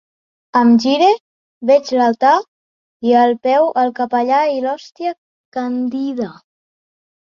Em gire, veig l’altar, i al peu el capellà i l’hòstia càndida.